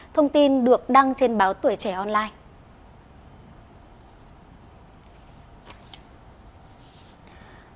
thông tin được đăng trên báo tuổi trẻ online